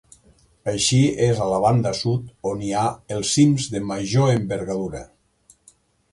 Així és a la banda sud on hi ha els cims de major envergadura.